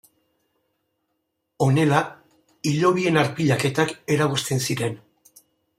Honela, hilobien arpilaketak eragozten ziren.